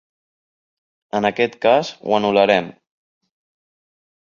En aquest cas ho anul·larem.